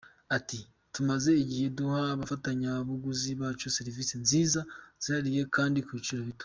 Ati “Tumaze igihe duha abafatabuguzi bacu serivisi nziza zihariye kandi ku biciro bito.